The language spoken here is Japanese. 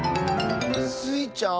⁉スイちゃん？